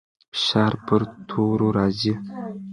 فشار پر تورو راځي.